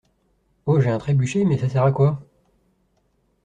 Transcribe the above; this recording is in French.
Ho j'ai un trébuchet, mais ça sert à quoi?